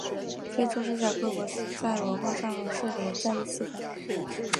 非洲之角各国在文化上是连在一起的。